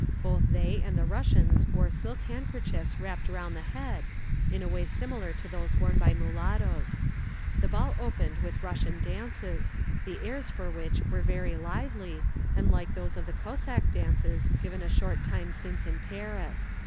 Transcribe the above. Both they and the Russians wore silk handkerchiefs wrapped round the head, in a way similar to those worn by mulattoes. The ball opened with Russian dances, the airs for which were very lively, and like those of the Cossack dances given a short time since in Paris.